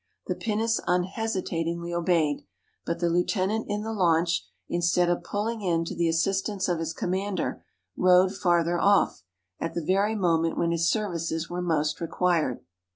The pinnace unhesitat ingly obeyed; but the Heu tenant in the laimch, instead of pulling in to the assistance of his commander, rowed farther off, at the very moment when his services were most required.